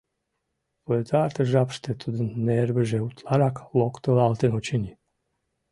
Пытартыш жапыште тудын нервыже утларак локтылалтын, очыни.